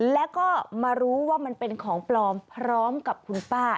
แล้วก็มารู้ว่ามันเป็นของปลอมพร้อมกับคุณป้า